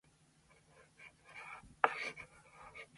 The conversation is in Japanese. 今日人数過疎ってね？